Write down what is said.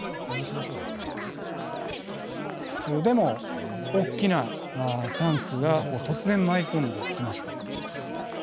でも大きなチャンスが突然舞い込んできました。